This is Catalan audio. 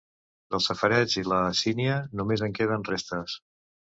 Del safareig i la sínia només en queden restes.